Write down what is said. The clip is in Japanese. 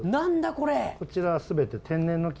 こちら全て。